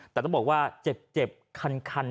แต่ต้องบอกว่าเจ็บคัน